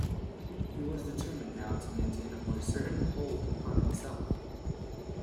He was determined now to maintain a more certain hold upon himself.